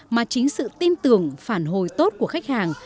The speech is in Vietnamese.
mà chính sự tin tưởng phản hồi tốt của khách hàng